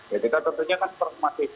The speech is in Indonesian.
jadi kita tentunya kan masih